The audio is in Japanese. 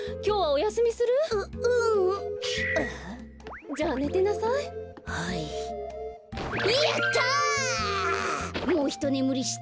やった！